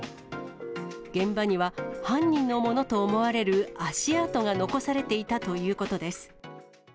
現場には、犯人のものと思われる足跡が残されていたということです。